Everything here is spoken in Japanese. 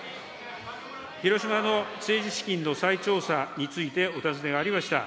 広島の政治資金の再調査について、お尋ねがありました。